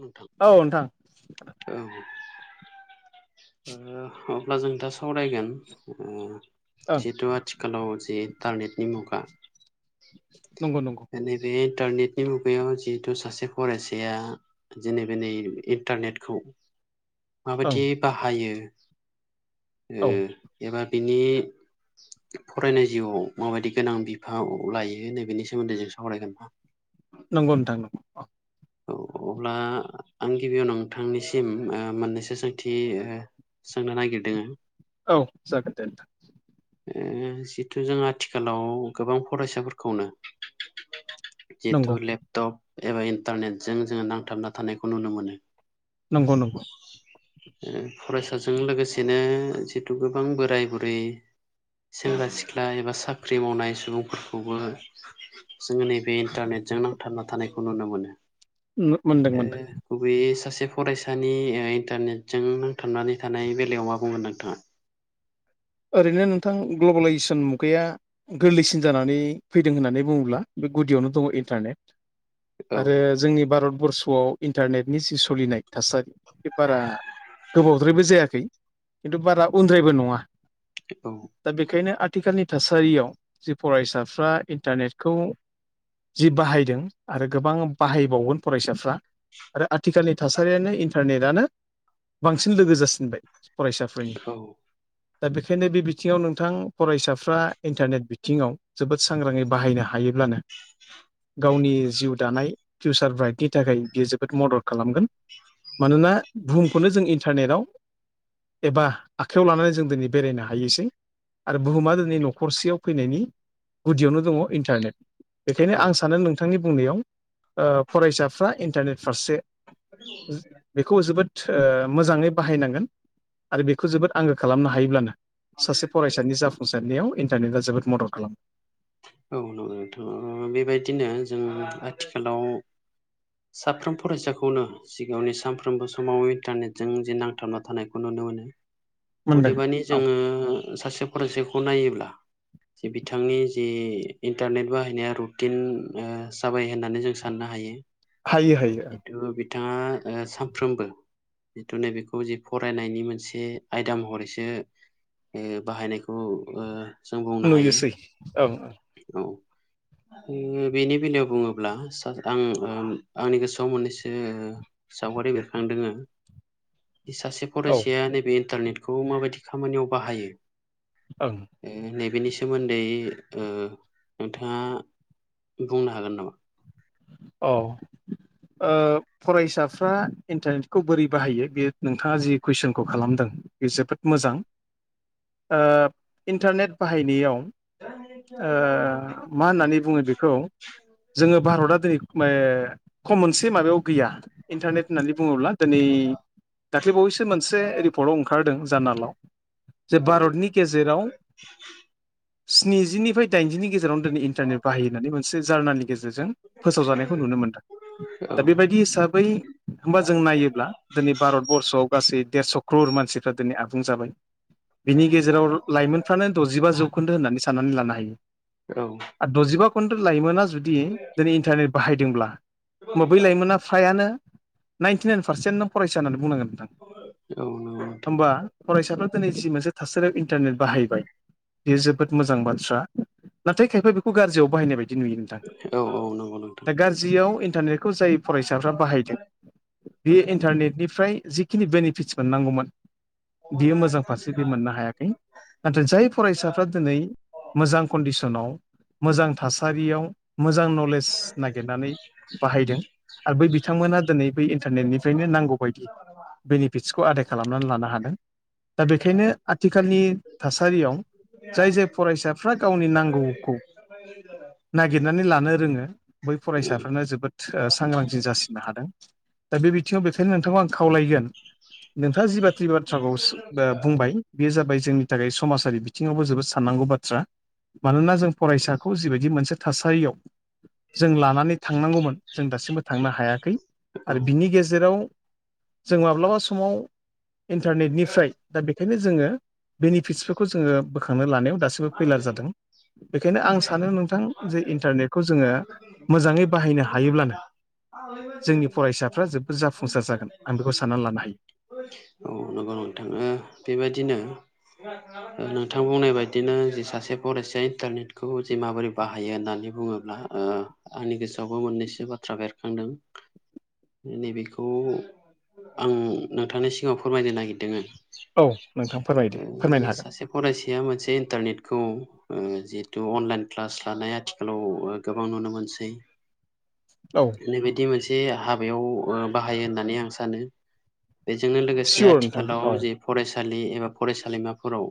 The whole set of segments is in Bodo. नोंथां औ नोंथां औ आ, अब्ला जों दा सावरायगोन ओ ओं जिहेतु आथिखालाव जे इन्टारनेटनि मुगा नंगौ नंगौ नैबे इन्टारनेटनि मुगायाव जिहेथु सासे फरायसाया जेनेब नै इन्टारनेटखौ ओं माबायदियै बाहायो। ओ औ एबा बिनि। फरायनाय जिउआव माबायदि गोनां बिफाव लायो नैबेनि सोमोन्दै जों सावरायगोन नोंथां। नंगौ नोंथां नंगौ। औ अब्ला आं गिबियाव नोंथांनिसिम ओ मोननैसो सोंथि ओ सोंनो नागिरदों। औ जागोन दे नोंथां। ओ जिथु जों आथिखालाव गोबां फरायसाफोरखौनो नंगौ जिहेथु लेपटप एबा इन्टारनेटजों जोंङो नांथाबना थानायखौ नुनो मोनो। नंगौ नंगौ। फरायसाजों लोगोसेनो जिथु गोबां बोराय बुरै सेंग्रा सिख्ला एबा साख्रि मावनाय सुबुंफोरखौबो जोंङो नैबे इन्टारनेटजों नांथाबना थानायखौ नुनो मोनो मोनदों ए मोनदों गुबैयै सासे मोनसे फरायसानि इन्टारनेटजों नांथाबनानै थानाय बेलायाव मा बुंगोन नोंथाङा? ओरैनो नोंथां ग्लबेलाइजेसन मुगाया गोरलैसिन जानानै फैदों होननानै बुङोब्ला बे गुदियावनो दङ इन्टारनेट औ आरो जोंनि भारतबर्ष आव इन्टारनेटनि जि सोलिनाय थासारि बे बारा गोबावद्रायबो जायाखै खिन्थु बारा उद्रायबो नङा औ दा बेखायनो आथिखालनि थासारियाव जि फरायसाफ्रा इन्टारनेटखौ जि बाहायदों आरो गोबां बाहायबावगोन फरायसाफ्रा आरो आथिखालनि थासारियानो इन्टारनेटनो बांसिन लोगो जासिनबाय फरायसाफोरनि। औ दा बेखायनो बे बिथिङाव नोंथां फरायसाफ्रा इन्टारनेट बिथिङाव जोबोद सांग्राङै बाहायनो हायोब्ला जानो गावनि जिउ दानाय फिउचार ब्राइटनि थाखाय बियो जोबोद मदद खालामगोन। मानोना बुहुमखौनो जों इन्टारनेटाव एबा आखायाव लानानै जों दिनै बेरायनो हायोसै आरो बुहुमा दिनै नखरसेयाव फैनायनि गुदियावनो दङ इन्टारनेट बेखायनो औ आं सानो नोंथांनि बुंनायाव ओ फरायसाफ्रा इन्टारनेट फारसे बेखौ जोबोद ओ मोजाङै बाहायनांगोन। आरो बेखौ जोबोद आंगो खालामनो हायोब्लानो सासे फरायसानि जाफुंसारनायाव इन्टारनेट आ जोबोद मदद खालामो। औ नंगौ नोंथां बेबायदिनो जों आथिखालाव साफ्रोम फरायसाखौनो सिगाङावनि सानफ्रोमबो समाव इन्टारनेटजों जि नांथाबना थानायखौ नुनो मोनो। नुनो मोनो मोनदों अदेबानि औ जोंङो सासे फरायसाखौ नायोब्ला जे बिथांनि जि इन्टारनेट बाहायनाया रुटिन आ जाबाय होननानै जों साननो हायो। हायो हायो। बिथांङा ओ सानफ्रोमबो जिथु नै बेेखौ जि फरायनायनि मोनसे आयदा महरैसो बाहायनायखौ ओ। जों बुंनो हायो नुयोसै औ। औ। बेनि बेलायाव बुङोब्ला आं आंनि गोसोआव मोननैसो। सावगारि बेरखांदोङो। सासे ओं औ फरायसाया नैबे इन्टारनेटखौ माबायदि खामानियाव बाहायो। ओं नैबेनि सोमोन्दै। ओ नोंथाङा बुंनो हागोन नामा? औ। ओ फरायसाफ्रा इन्टारनेटखौ बोरै बाहायो बे नोंथाङा जि कुइसनखौ खालामदों बे जोबोद मोजां ओ इन्टारनेट बाहायनायाव ओ मा होननानै बुङो बेखौ जोङो भारतआ दिनै ओ खम मोनसे माबायाव गैया इन्टारनेट होननानै बुङोब्ला दिनै दाखलै बावैसो मोनसे रिपर्टआव ओंखारदों [unintelligible] जे भारतनि गेजेराव स्निजिनिफ्राय दाइनजिनि गेजेरावनो दिनै इन्टारनेट बाहायो होननानै मोनसे जार्नालनि गेजेरजों जानायखौ नुनो मोनदों औ दा बेबायदि हिसाबै होमबा जों नायोब्ला दिनै भारत बरर्ष'आव गासै देरस' क्रर मानसिफ्रा दिनै आबुं जाबाय। बिनि गेजेराव लाइमोनफ्रानो द'जिबा जौखोन्दो होननानै साननानै लानो हायो। औ आरो द'जिबा खिनथु लाइमोना जुदि दिनै इन्टारनेट बाहायदोंब्ला होमबा बै लाइमोना फ्रायानो नाइनटि नाइन पारसेन्ट नों फरायसा होननानै बुंनांगोन। औ नंगौ नोंथां होमबा फरायसाफ्रा दिनै जि मोनसे थासारियाव इन्टारनेट बाहायबाय बेयो जोबोद मोजां बाथ्रा। नाथाय खायफा बेखौ गाज्रियाव बाहायनाय बायदि नुयो नोंथां औ औ नंगौ। नोंथां दा गाज्रियाव इन्टारनेटखौ जाय फरायसाफ्रा बाहायदों बे इन्टारनेटनिफ्राय जिखिनि बेनिफिटस मोननांगौमोन बियो मोजां फारसे बे मोननो हायाखै। नाथाय जाय फरायसाफ्रा दिनै मोजां कन्डिसनाव मोजां थासारियाव मोजां न लेज निरनानै बाहायदों आरो बै बिथांमोना दिनै बै इन्टारनेटनिफ्रायनो नांगौ [unintelligible] बेनिफिटसखौ आदाय खालामनानै लानो हादों दा बेखायनो आथिखालनि थासारियाव जाय जाय फरायसाफ्रा गावनि नांगौखौ नागिरनानै लानो रोङो बै उम फरायसाफ्रानो जोबोद सांग्रांथि जासिनो हादों। दा बे बिथिङाव बेखायनो नोंथांखौ आं खावलायगोन नोंथाङा जिबा जि बाथ्राखौ बुंबाय बिजा जाय जोंनि थाखाय समाजारि बिथिङावबो जोबोद साननांगौ बाथ्रा। मानोना जों फरायसाखौ जिबायदि मोनसे थासारियाव जों लानानै थांनांगौमोन जों दासिमबो थांनो हायाखै औ आरो बिनि गेजेराव जों माब्लाबा समाव इन्टारनेटनिफ्राय दा बे बेंखायनो जोङो बेनिफिटसफोरखौ जोङो बोखांनो लानायाव दासिबो फैलार जादों बेखायनो आं सानो नोंथां जे इन्टारनेटखौ जोङो मोजाङै बाहायनो हायोब्लानो जोंनि फरायसाफ्रा जोबद जाफुंसार जागोन आं बेखौ साननानै लानो हायो। औ नंगौ नं थाङो बेबायदिनो नोंथां बुंनाय बायदिनो जे सासे फरायसाया इन्टारनेटखौ जे माबोरै बाहाय हायो होननानै बुङोब्ला ओ आंनि गोसोआवबो मोननैसो बाथ्रा बेरखांदों। नैबेखौ आं नोंथांनि सिगाङाव फोरमायनो नागिरदों। औ नोंथां फोरमायदो फोरमायनो हागोन। बियो मोनसे इन्टारनेटखौ जिहेथु अनलाइन क्लास लानाय आथिखालाव गोबां नुनो मोनसै। औ नैबादि मोनसे हाबायाव बाहायो होननानै आं सानो। बेजोंनो लोगोसे सियर नोंथां आथिखालाव औ जे फरायसालि एबा फरायसालिमाफोराव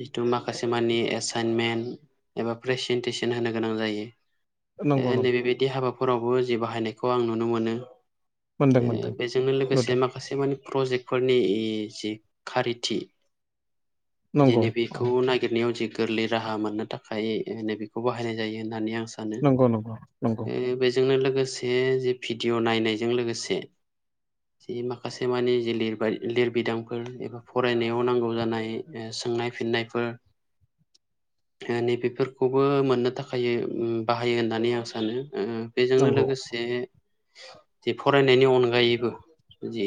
जिथु माखासे मानिानि एसाइनमेन्ट एबा प्रेसेन्टेसन होनो गोनां जायो। नंगौ नंगौ नैबेबायदि हाबाफोरावबो जि बाहायनायखौ आं नुनो मोनो। मोनदों ओ मोनदों बेजोंनो लोगोसे नुदों माखासे मानि प्रजेक्ट फोरनि इ जि खारिथि जे नंगौ नैबेखौ औ। नागिरनायाव जि गोरलै राहा मोननो थाखाय नैबेखौ बाहायनाय जायो होननानै आं सानो नंगौ नंगौ नंगौ बे जोंनो लोगोसे जे भिडिअ नायनायजों लोगोसे जि माखासे मानि जि लि लिरबिदांफोर एबा फरायनायाव नांगौ जानाय सोंनाय फिन्नायफोर नैबेफोरखौबो मोननो थाखाय बाहायो होननानै आं सानो उम बेजोंनो नंगौ लोगोसे जे फरायनायनि अनगायैबो जि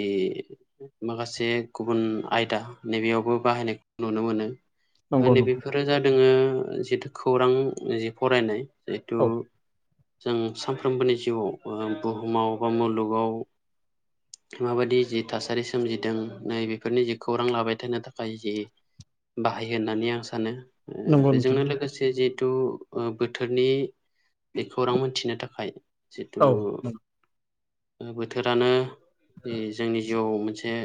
माखासे गुबुन आयदा नैबेयावबो बाहायनायखौ नुनो मोनो। नंगौ नंगौ नैबेफोरो जादोंङो जिथु खौरां जि फरायनाय जिथु औ जों सानफ्रोमबोनि जिउआव बुहुमाव बा मुलुगाव माबायदि जि थासारि सोमजिदों नै बेफोरनि जि खौरां लाबाय थानो थाखाय जि बाहायो होननानै आं सानो नंगौ नोंथां बेजोंनो लोगोसे जि जिथु बोथोरनि बेखौरां मोनथिनो थाखाय जिथु औ बोथोरानो जोंनि जिउआव मोनसे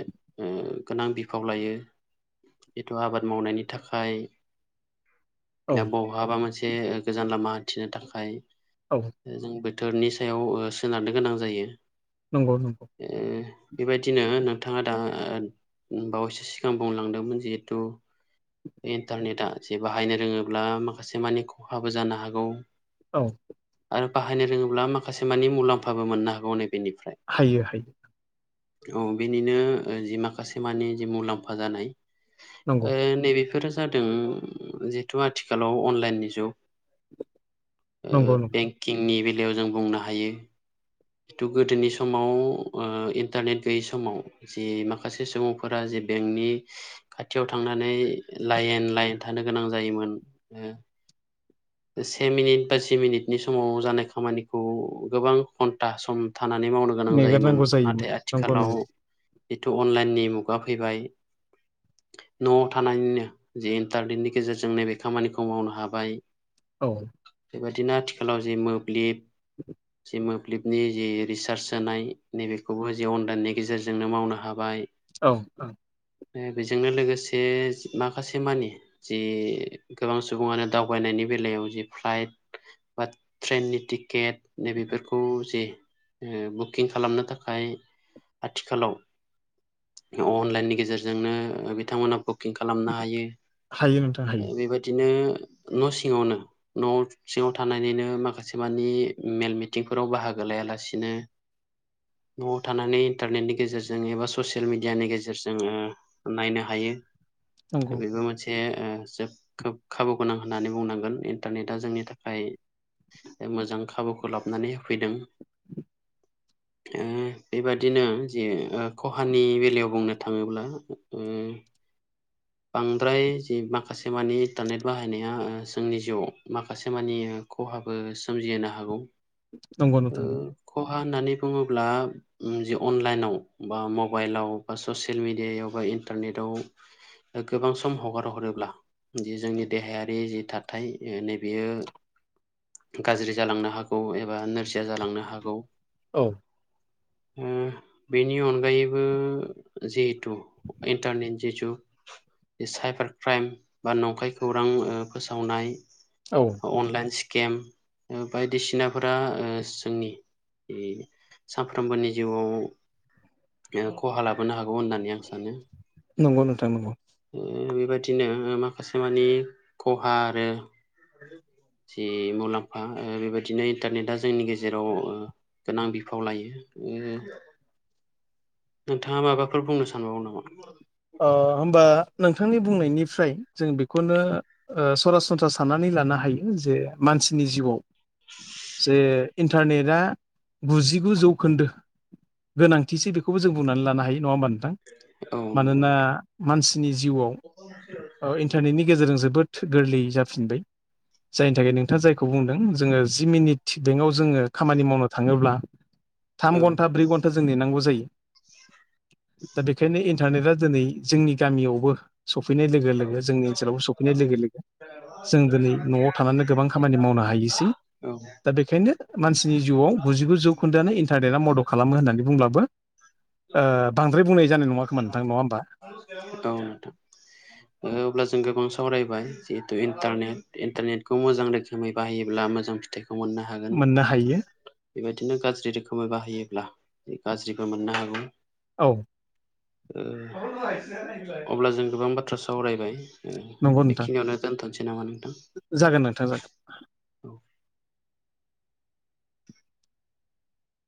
ओ गोनां बिफाव लायो। बेथ' आबाद मावनायनि थाखाय औ बहाबा मोनसे गोजान लामा हान्थिनो थाखाय औ जों बोथोरनि सायाव ओ सोनारनो गोनां जायो। नंगौ नंगौ ओ बेबायदिनो नोंथाङा दा बावैसो सिगां बुंलांदोंमोन जिहेथु इन्टारनेटआ जे बाहायनो रोङोब्ला माखासे मानि खहाबो जानो हागौ। औ। आरो बाहायनो रोङोब्ला माखासे मानि मुलाम्फाबो मोननो हागौ होन्नाय बायदि। हायो हायो। औ बेनिनो जि माखासे मानिे जि मुलाम्फा जानाय नंगौ नैबेफोर जादों जिहेथु आथिखालाव अनलाइननि जुग नंगौ नंगौ बेंकिंनि बेलायाव जों बुंनो हायो जिथु गोदोनि समाव ओ इन्टारनेट गैयै समाव जि माखासे सुबुंफोरा जे बेंकनि खाथियाव थांनानै लाइन लाइन थानो गोनां जायोमोन से मिनिट बा जि मिनिटनि समाव जानाय खामानिखौ गोबां घन्टा सम थानानै मावनो गोनां जायोमोन नेगारनांगौ नाथाय नंगौ आथिखालाव नंगौ जिथु अनलाइननि मुगा फैबाय न'आव थानानैनो जे इन्टारनेटनि गेजेरजों नैबे खामानिखौ मावनो हाबाय औ। बेबायदिनो आथिखालाव जे मोब्लिब [inaudible] जि मोब्लिबनि जि रिसार्च सोनाय नैबेखौबो जे अनलाइननि गेजेरजोंनो मावनो हाबाय औ औ। बेजोंनो लोगोसे माखासे मानि जि गोबां सुबुङानो दावबायनायनि बे बेला आव भालाइद थेनि थिकिद खौ जे ओ बुकिं खालामनो थाखाय आथिखालाव अनलाइननि गेजेरजोंनो बिथांमोना बुकिं खालामनो हायो हायो नोंथां हायो बेबायदिनो न' सिङावनो न' सिङाव थानायानानैनो माखासे मानि मेलमिट बिथिंफोराव बाहागो लायालासिनो न'आव थानानै इन्टारनेटनि गेजेरजों एबा ससियेल मिडियानि गेजेरजों ओ नायनो हायो। नंगौ बेबो मोनसे ओ जो खोब खाबु गोनां होननानै बुंनांगोन इन्टारनेटआ जोंनि थाखाय मोजां खाबुखौ लाबनानै होफैदों [inaudible] ओ बेबादिनो जे ओ खहानि बेलायाव बुंनो थाङोब्ला ओ [inaudible] बांद्राय जि माखासे मानि इन्टारनेट बाहायनाया ओ जोंनि जिउवाव माखासे मानि ओ खहा आबो सोमजिहो हागौ। नंगौ नोंथां। फा होननानै बुङोब्ला उम जि अनलाइनाव बा मबाइलाव बा ससियेल मिडियायाव बा ए इन्टारनेटाव ओ गोबां सम हगार हरोब्ला जि जोंनि देहायारि जि थाथाय ओ नैबेयो गाज्रि जालांनो हागौ एबा नोरजिया जालांनो हागौ। औ। [inaudible] ओ बेनि अनगायैबो जिहेथु इन्टारनेट जे जुग साइबार क्राइम बा नंखाय खौरां ओ फोसावनाय औ अनलाइन स्केम ओ बायदिसिना फोरा ओ जोंनि इ सानफ्रामबोनि जिवाव ओ खहा लाबोनो हागौ होननानै आं सानो। नंगौ नोंथां नंगौ। बेबादिनो ओ माखासे मानि खहा आरो जि मुलाम्फा ओ बेबायदिनो इन्टारनेटा जोंनि गेजेराव ओ गोनां बिफाव लायो। नोंथाङा माबाफोर बुंनो सानबावो नामा? अ होमबा नोंथांनि बुंनायनिफ्राय जों बेखौनो ओ सरासनस्रा साननानै लानो हायो जे मा मानसिनि जिवाव जे इन्टारनेटा गुजिगु जौखोन्दो गोनांथिसै बेखौबो जों बुंनानै लानो हायो नङा होमबा नो औ। नंगौ मानोना नोंथां मानसिनि जिवाव ओ इन्टारनेटनि गेजेरजों जोबोद थो गोरलै जाफिनबाय जायनि थाखाय नोंथाङा जायखौ बुंदों जोङो जि मिनिट थि बेंकाव जोङो खामानि मावनो थाङोब्ला थाम औ घन्टा ब्रै घन्टा जों नेनांगौ जायो। दा बेखायनो इन टारनेटा दिनै जोंनि गामियावबो सफैनाय लोगो लोगो जोंनि ओनसोलावबो सफैनाय लोगो लोगो जों दिनै न'आव थानानै गोबां खामानि मावनो हायोसै। दा बेखायनो मानसिनि जिवाव गुजिगु जौखोन्दोआनो इन्टारनेटा मदद खालामो होननानै बुंब्लाबो ओ बांद्राय बुंनाय जानाय नङा खोमा नोंथां नङा हो औ नोंथां ओ अब्ला जों गोबां सावरायबाय जिहे थु इन्टारनेट इन्टारनेटखौ मोजां रोखोमै बाहायोब्ला मोजां फिथाइ मोननो हायो। बेबायदिनो गाज्रि रोखोमै बाहायोब्ला गाज्रिबो मोननो हागौ। औ। ओ अब्ला जों गोबां बाथ्रा सावरायबाय। उम नंगौ नोंथां बेखिनियावनो दोनथ'नोसै नामा नों जागोन नोंथां जागोन। औ